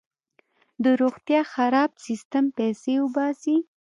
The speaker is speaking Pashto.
د روغتیا خراب سیستم پیسې وباسي.